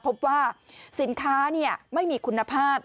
พบว่าสินค้าไม่มีคุณภาพ